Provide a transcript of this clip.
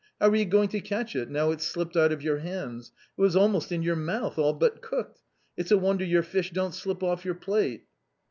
How are you going to catch it, now it's slipped out of your hands ; it was almost in your mouth all but cooked. It's a wonder your fish don't slip off your plate."